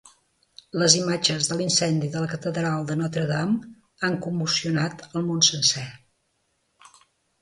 Les imatges de l'incendi de la catedral de Notre-Dame han commocionat el món sencer.